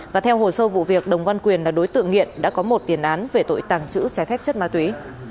và theo hồ sơ vụ việc đồng văn quyền là đối tượng nghiện đã có một tiền án về tội tàng trữ trái phép chất ma túy